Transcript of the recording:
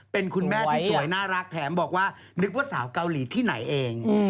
เป็นคุณแม่ที่สวยน่ารักแถมบอกว่านึกว่าสาวเกาหลีที่ไหนเอง